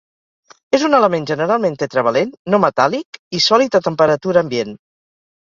És un element generalment tetravalent, no metàl·lic i sòlid a temperatura ambient.